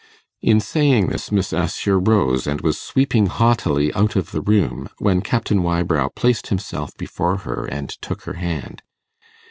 In saying this Miss Assher rose, and was sweeping haughtily out of the room, when Captain Wybrow placed himself before her, and took her hand.